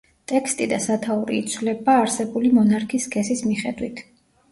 ტექსტი და სათაური იცვლება არსებული მონარქის სქესის მიხედვით.